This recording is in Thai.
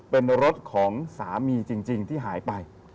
เป็นรถของสามีจริงที่หายไป